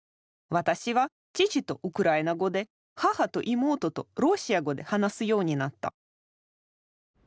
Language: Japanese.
私は父とウクライナ語で母と妹とロシア語で話すようになった。